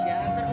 yaudah deh yuk